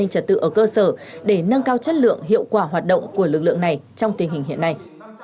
của lực lượng này trong tình hình hiện nay